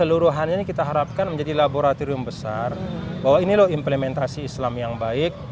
seluruhannya ini kita harapkan menjadi laboratorium besar bahwa ini loh implementasi islam yang baik